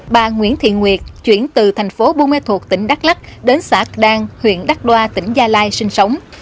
bà nguyễn thị nguyệt chuyển từ thành phố bu mê thuộc tỉnh đắk lắc đến xã đan huyện đắk loa tỉnh gia lai sinh sống